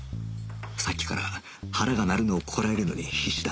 さっきから腹が鳴るのをこらえるのに必死だ